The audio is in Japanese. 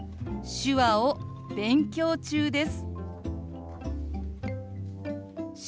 「手話を勉強中です」。